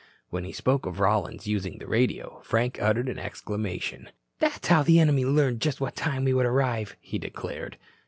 When he spoke of Rollins's using the radio, Frank uttered an exclamation. "That's how the enemy learned just what time we would arrive," he declared.